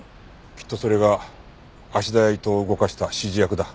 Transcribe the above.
きっとそれが芦田や伊藤を動かした指示役だ。